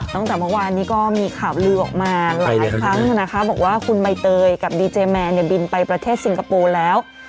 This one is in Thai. ตั้งแต่เมื่อวานนี้ก็มีข่าวลือออกมาหลายครั้งนะคะบอกว่าคุณใบเตยกับดีเจแมนเนี่ยบินไปประเทศสิงคโปร์แล้ว